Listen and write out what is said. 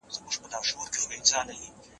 هغوی وایي چي پانګه وال نظام استثمار کوونکی دی.